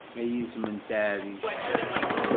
Ay izem n taɛrict!